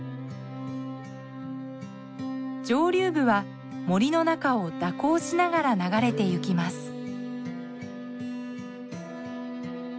上流部は森の中を蛇行しながら流れてゆきます。